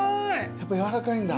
やっぱやわらかいんだ。